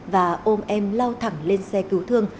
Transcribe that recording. và ôm em lao thẳng lên xe cứu thương